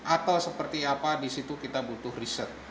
atau seperti apa di situ kita butuh riset